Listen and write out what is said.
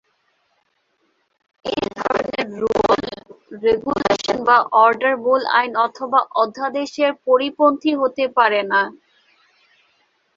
এধরনের rule, regulation বা order মূল আইন অথবা অধ্যাদেশের পরিপন্থী হতে পারেনা।